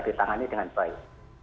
ditangani dengan baik